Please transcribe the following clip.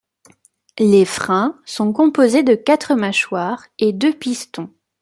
Les freins sont composés de quatre mâchoires et deux pistons.